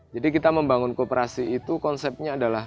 jadi kita membangun koperasi itu konsepnya adalah